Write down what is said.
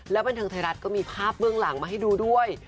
บันเทิงไทยรัฐก็มีภาพเบื้องหลังมาให้ดูด้วย